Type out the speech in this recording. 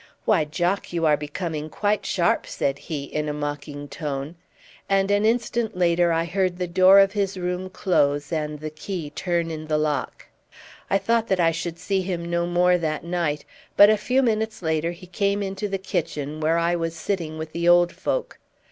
"Why, Jock, you are becoming quite sharp," said he, in a mocking tone; and an instant later I heard the door of his room close and the key turn in the lock. I thought that I should see him no more that night; but a few minutes later he came into the kitchen, where I was sitting with the old folk.